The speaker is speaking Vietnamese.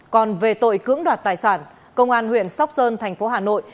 còn về tội cưỡng đoạt tài sản công an huyện sóc sơn thành phố hà nội